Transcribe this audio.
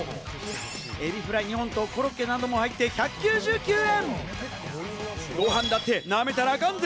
海老フライ２本とコロッケなども入って１９９円。